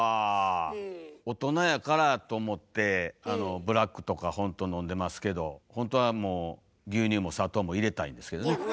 大人やからと思ってブラックとか飲んでますけどほんとはもう牛乳も砂糖も入れたいんですけどね。